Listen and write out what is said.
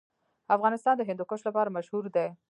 افغانستان د هندوکش لپاره مشهور دی.